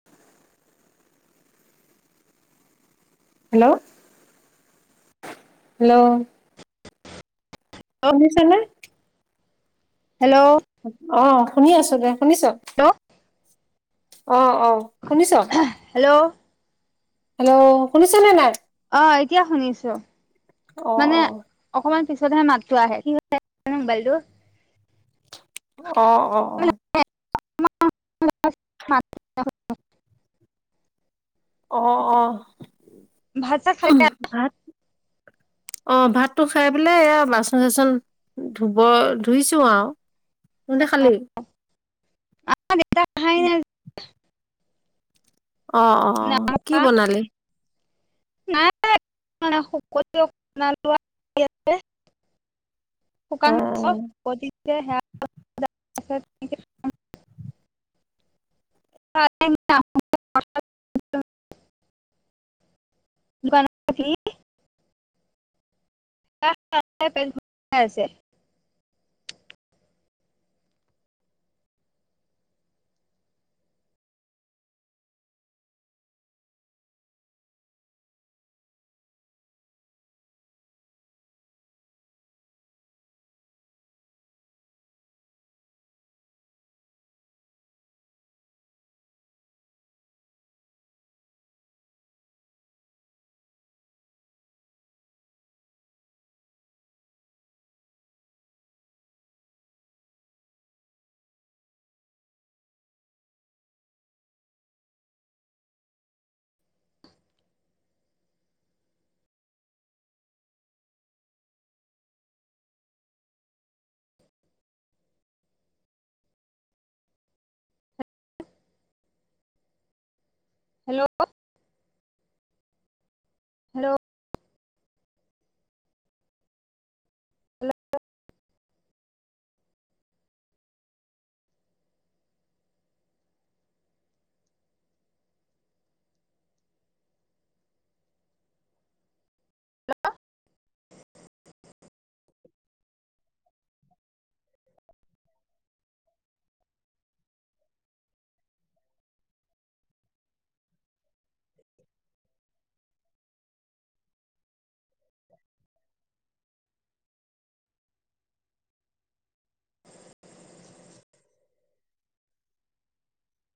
[unintelligible] Hello, hello, শুনিছা নে? Hello অ, শুনি আছোঁ দে, শুনিছ? হেল্ল', অ, অ, শুনিছ? হেল্ল', হেল্ল' শুনিছনে নাই? অ, এতিয়া শুনিছোঁ অ মানে অকণমান পিছতহে মাতটো আহে [inaudible] মোবাইলটো। অ, অ, অ, ম [inaudible] অ, অ, ভাত চাত খালে ভাত। অ, ভাতটো খাই পেলাই এ বাচন চাচন ধুব ধুইছোঁ আৰু। [inaudible] খালি। [inaudible] অ অ অ কি বনালি [inaudible] নাই [inaudible] শুকান অ [inaudible] [unintelligible] দোকান [inaudible] [inaudible] আছে হেল্ল', হেল্ল', আ [unintelligible] [unintelligible]